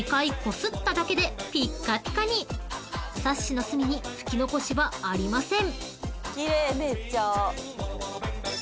［サッシの隅に拭き残しはありません］